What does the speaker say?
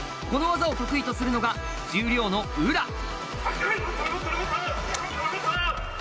この技を得意とするのが十両の宇良。